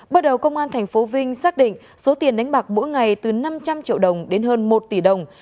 bắt đầu công an tp vinh xác định số tiền đánh bạc mỗi ngày từ năm trăm linh triệu đồng đến hơn một tỷ đồng